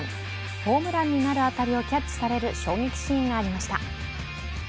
ホームランになる当たりをキャッチされる衝撃シーンがありました。